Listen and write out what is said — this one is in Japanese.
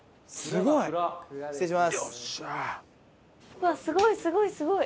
うわっすごいすごいすごい。